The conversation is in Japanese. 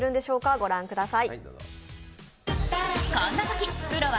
御覧ください。